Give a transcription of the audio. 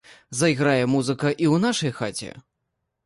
Зайграе музыка і ў нашай хаце.